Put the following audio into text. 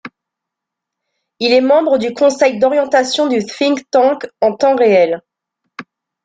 Il est membre du Conseil d'orientation du think tank En temps réel.